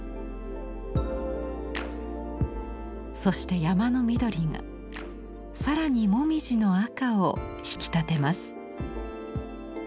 そして山の緑が更に紅葉の赤を引き立てます。